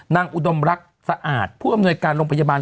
อุดมรักสะอาดผู้อำนวยการโรงพยาบาล